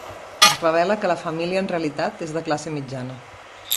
Es revela que la família en realitat és de classe mitjana.